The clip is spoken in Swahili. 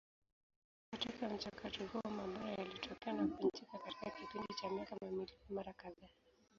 Katika mchakato huo mabara yalitokea na kuvunjika katika kipindi cha miaka mamilioni mara kadhaa.